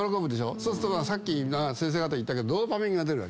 そうするとさっき先生方言ったけどドーパミンが出るわけ。